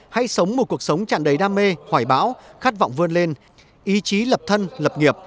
hãy sống một cuộc sống chẳng đầy đam mê hoài bão khát vọng vươn lên ý chí lập thân lập nghiệp